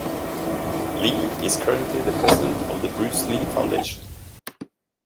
Lee is currently the president of the Bruce Lee Foundation.